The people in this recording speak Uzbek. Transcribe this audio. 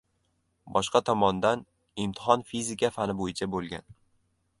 Boshqa tomondan, imtihon fizika fani boʻyicha boʻlgan